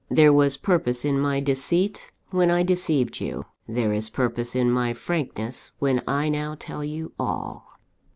There was purpose in my deceit, when I deceived you there is purpose in my frankness, when I now tell you all."